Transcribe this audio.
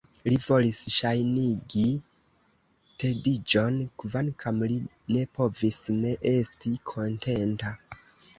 Li volis ŝajnigi tediĝon, kvankam li ne povis ne esti kontenta.